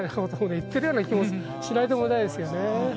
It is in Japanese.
言ってるような気もしないでもないですよね